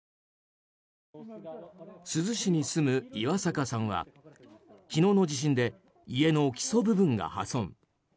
珠洲市に住む岩坂さんは昨日の地震で家の基礎部分が破損。